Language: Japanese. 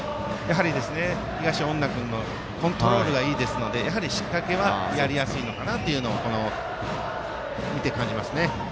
やはり、東恩納君のコントロールがいいですので仕掛けはやりやすいのかなと見て感じますね。